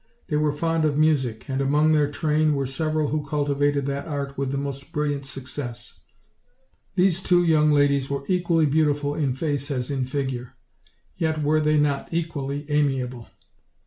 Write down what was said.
They were fond of music, and among their train were several who cultivated that art with the most brilliant success. These two young ladies were equally beautiful in face as in figure; yet were they not equally amiable.